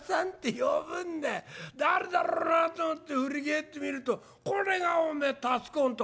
誰だろうなと思って振り返ってみるとこれがおめえたつ公んと